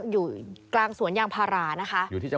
อยู่กลางสวนยางพารานะคะ